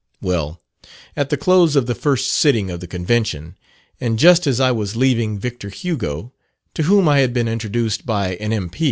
Well, at the close of the first sitting of the Convention, and just as I was leaving Victor Hugo, to whom I had been introduced by an M.